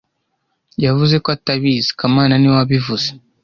Yavuze ko atabizi kamana niwe wabivuze